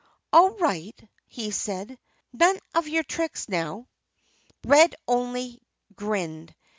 "All right!" he said. "None of your tricks, now!" Red only grinned.